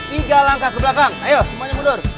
tiga langkah ke belakang ayo semuanya mundur